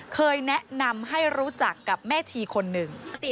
เคยแนะนำให้รู้จักกับแม่ชีคนหนึ่ง